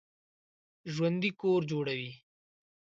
ژوندي کور جوړوي